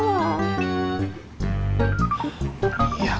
guntur gak salah